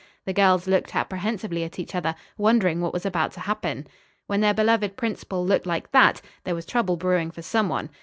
The girls looked apprehensively at each other, wondering what was about to happen. When their beloved principal looked like that, there was trouble brewing for some one.